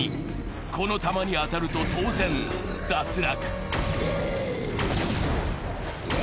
この玉に当たると当然脱落。